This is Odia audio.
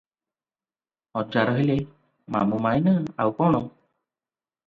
ହଜାର ହେଲେ ମାମୁ ମାଈଁ ନା, ଆଉ କ’ଣ?